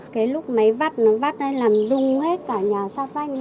cái lúc máy vắt nó vắt nó làm rung hết cả nhà sát vách